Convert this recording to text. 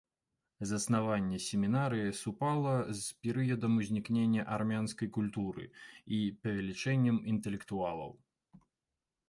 Заснаванне семінарыі супала з перыядам узнікнення армянскай культуры і павелічэннем інтэлектуалаў.